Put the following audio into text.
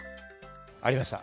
ありました。